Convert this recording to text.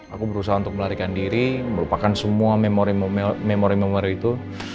aku berusaha untuk melarikan diri melupakan semua memori memori itu